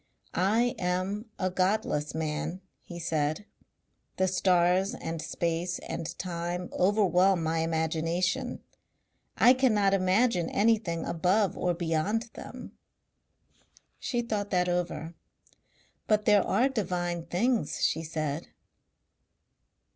"I am a godless man," he said. "The stars and space and time overwhelm my imagination. I cannot imagine anything above or beyond them." She thought that over. "But there are divine things," she said.